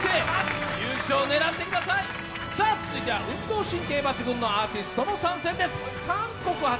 続いては運動神経抜群のアーティストも参戦です。